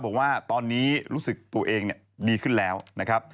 บอกว่าตอนนี้รู้สึกตัวเองดีขึ้นแล้วนะครับ